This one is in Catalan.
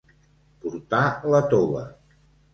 Portar la tova.